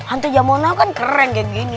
hantu jaman now kan keren kayak gini tuh